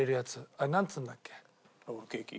あれなんつうんだっけ？